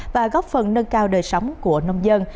và góp phần nâng cao đời sống của nông dân